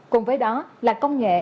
cùng với đó là công nghệ